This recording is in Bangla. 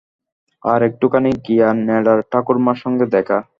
আর একটুখানি গিয়া নেড়ার ঠাকুরমার সঙ্গে দেখা।